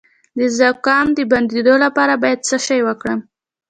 د زکام د بندیدو لپاره باید څه شی وکاروم؟